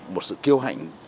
một sự kêu hạnh